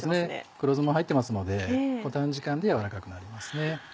黒酢も入ってますので短時間で軟らかくなりますね。